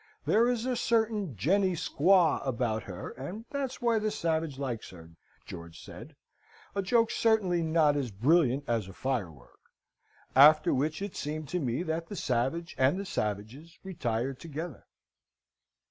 'There is a certain jenny squaw about her, and that's why the savage likes her,' George said a joke certainly not as brilliant as a firework. After which it seemed to me that the savage and the savages retired together.